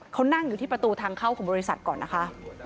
เขานั่งอยู่ที่ประตูทางเข้าของบริษัทก่อนนะคะ